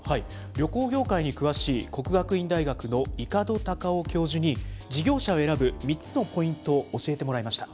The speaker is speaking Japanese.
旅行業界に詳しい、國學院大学の井門隆夫教授に、事業者を選ぶ３つのポイントを教えてもらいました。